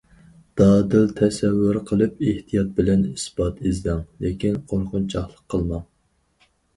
دادىل تەسەۋۋۇر قىلىپ، ئېھتىيات بىلەن ئىسپات ئىزدەڭ، لېكىن قورقۇنچاقلىق قىلماڭ.